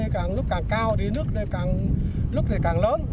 nước này càng cao thì nước này càng lớn